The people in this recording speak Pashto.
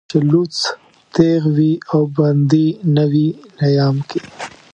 چې لوڅ تېغ وي او بندي نه وي نيام کې